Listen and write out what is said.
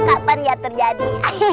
kapan ya terjadi